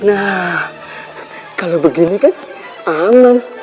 nah kalau begini kan aman